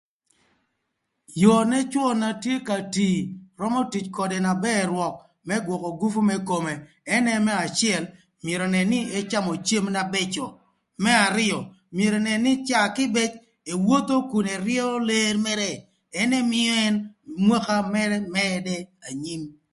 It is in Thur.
Yoo n'ëcwö na tye ka tii römö tic ködë na bër rwök më gwökö gupu më kome ënë, më acël myerö önën nï ëcamö cem na bëcö, më arïö myero önën nï caa kïbëc ewotho kun ëryëö ler mërë ënë mïö ën mwaka mërë mëdë anyim.